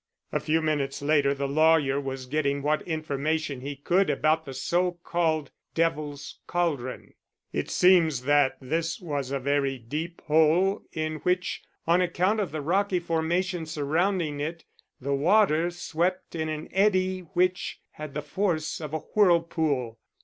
A few minutes later the lawyer was getting what information he could about the so called Devil's Cauldron. It seems that this was a very deep hole in which, on account of the rocky formation surrounding it, the water swept in an eddy which had the force of a whirlpool.